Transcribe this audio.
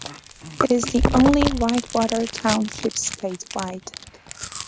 It is the only Whitewater Township statewide.